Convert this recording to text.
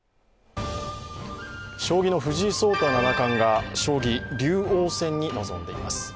将棋の藤井聡太七冠将棋竜王戦に臨んでいます。